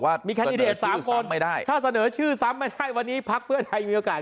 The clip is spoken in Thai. ว่ามีแคนดิเดต๓คนไม่ได้ถ้าเสนอชื่อซ้ำไม่ได้วันนี้พักเพื่อไทยมีโอกาส